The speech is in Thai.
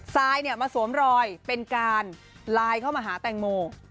ซายมาสวมรอยเป็นการไลน์เข้ามาหาแตงโม